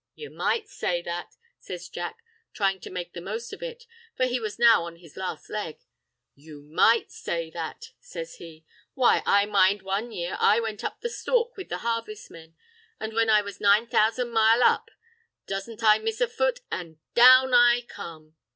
"You might say that," says Jack, trying to make the most of it, for he was now on his last leg. "You might say that," says he. "Why, I mind one year I went up the stalk with the harvestmen, an' when I was nine thousand mile up, doesn't I miss my foot, and down I come.